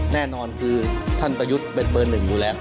แน่นอนคือท่านประยุทธ์เป็นเบอร์หนึ่งอยู่แล้ว